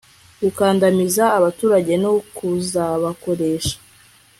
gukandamiza abaturage no kuzabakoresha